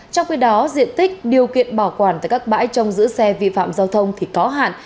trong khi đó diện tích điều kiện bảo quản tại các bãi trong giữ xe vi phạm giao thông thì có hạn